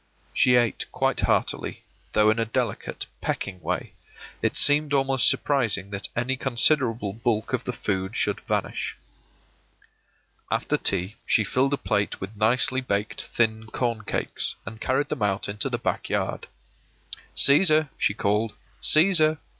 She ate quite heartily, though in a delicate, pecking way; it seemed almost surprising that any considerable bulk of the food should vanish. After tea she filled a plate with nicely baked thin corn cakes, and carried them out into the back yard. “Cæsar!” she called. “Cæsar!